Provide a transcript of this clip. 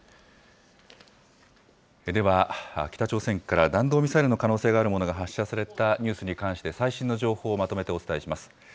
では、北朝鮮から弾道ミサイルの可能性があるものが発射されたニュースに関して、最新の情報をまとめてお伝えします。